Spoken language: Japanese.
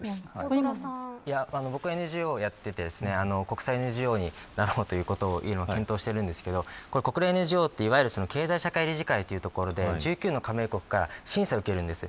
僕はＮＧＯをやっていて国際ＮＧＯになろうということを今、検討しているんですが国連ＮＧＯっていわゆる経済社会理事会というところで１９の加盟国から審査を受けるんです。